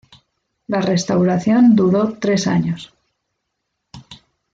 La restauración duró tres años.